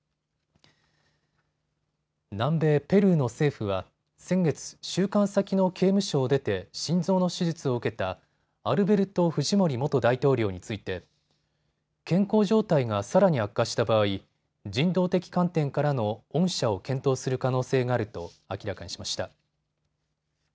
南米ペルーの政府は先月、収監先の刑務所を出て心臓の手術を受けたアルベルト・フジモリ元大統領について健康状態がさらに悪化した場合、人道的観点からの恩赦を検討する可能性があると明らかにしました。